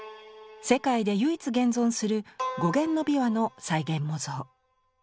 世界で唯一現存する五弦の琵琶の再現模造。